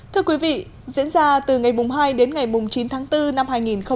thưa quý vị diễn ra từ ngày hai đến ngày chín tháng bốn năm hai nghìn một mươi chín